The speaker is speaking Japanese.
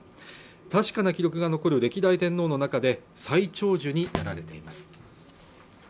確かな記録が残る歴代天皇の中で最長寿になられています